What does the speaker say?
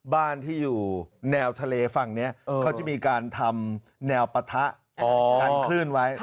บ้านที่อยู่แนวทะเลฝั่งนี้เขาจะมีการทำแนวปะทะกันคลื่นไว้